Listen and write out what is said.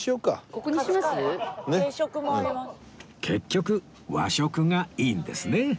結局和食がいいんですね